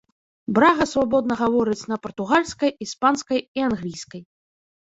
Брага свабодна гаворыць на партугальскай, іспанскай і англійскай.